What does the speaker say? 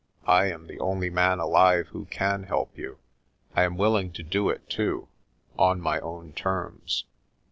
I am the only man alive who can help you. I am willing to do it too on my own terms."